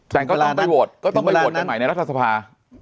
แต่ก็ต้องไปโหวตก็ต้องไปโหวตกันใหม่ในรัฐสภา